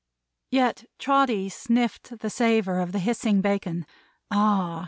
Yet Trotty sniffed the savor of the hissing bacon ah!